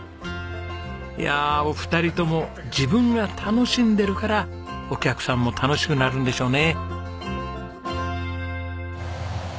いやあお二人とも自分が楽しんでるからお客さんも楽しくなるんでしょうね。